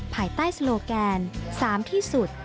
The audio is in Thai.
ภายใต้โลแกน๓ที่สุด